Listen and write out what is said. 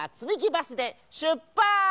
バスでしゅっぱつ！